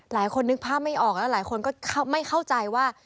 หลายคนนึกภาพไม่ออกแล้วหลายคนก็ไม่เข้าใจว่า